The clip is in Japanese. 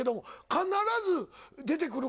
必ず出てくる。